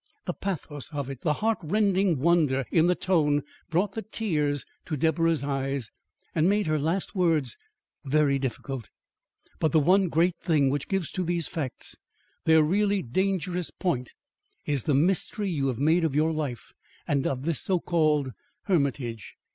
The pathos of it the heart rending wonder in the tone brought the tears to Deborah's eyes and made her last words very difficult. "But the one great thing which gives to these facts their really dangerous point is the mystery you have made of your life and of this so called hermitage.